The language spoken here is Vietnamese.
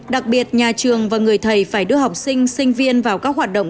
đặc biệt nhà trường và người thầy phải đưa học sinh sinh viên vào các hoạt động